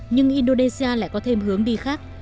nhưng indonesia lại có thêm hướng đi khác